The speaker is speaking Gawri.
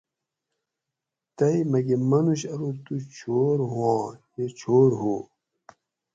تئ مکہ منوش ارو تو چھور ھواں یہ چھور ھو